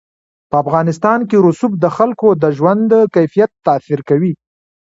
په افغانستان کې رسوب د خلکو د ژوند کیفیت تاثیر کوي.